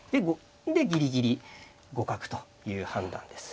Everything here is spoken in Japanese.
でぎりぎり互角という判断です。